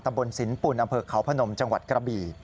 บนสินปุ่นอำเภอเขาพนมจังหวัดกระบี่